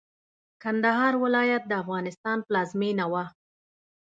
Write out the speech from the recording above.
کندهار ولايت د افغانستان پلازمېنه وه.